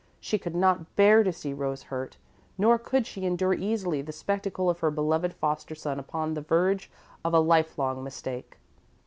She could not bear to see Rose hurt, nor could she endure easily the spectacle of her beloved foster son upon the verge of a lifelong mistake.